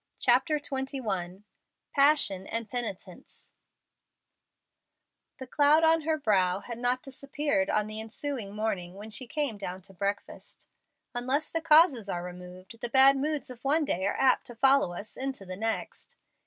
CHAPTER XXI PASSION AND PENITENCE The cloud on her brow had not disappeared on the ensuing morning when she came down to breakfast. Unless the causes are removed, the bad moods of one day are apt to follow us into the next.